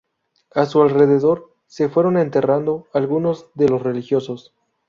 A su alrededor se fueron enterrando algunos de los religiosos.